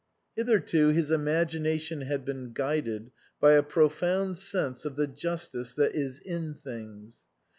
Hitherto his imagination had been guided by a profound sense of the justice that is in things.